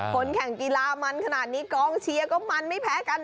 คนแข่งกีฬามันขนาดนี้กองเชียร์ก็มันไม่แพ้กัน